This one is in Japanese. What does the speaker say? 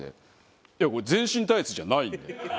いやこれ全身タイツじゃないんだよ。